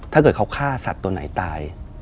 ถ้าเกิดเขาฆ่าสัตว์ตัวไหนตาย